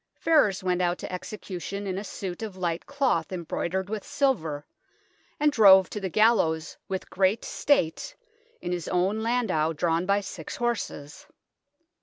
Ferrers went out to execution in a suit of light cloth embroidered with silver, and drove to the gallows with great state, in his own landau drawn by six horses.